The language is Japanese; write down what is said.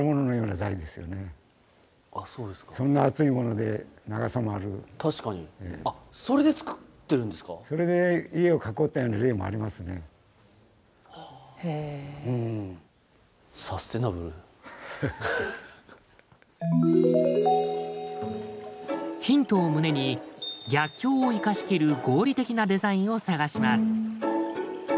ヒントを胸に逆境を生かしきる合理的なデザインを探します。